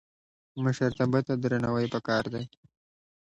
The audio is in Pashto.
مشرتابه ته درناوی پکار دی